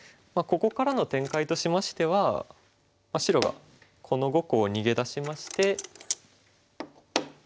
ここからの展開としましては白がこの５個を逃げ出しまして。